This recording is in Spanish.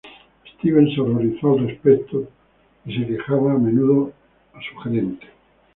Steven se horrorizó al respecto y se quejaba a menudo a su gerente.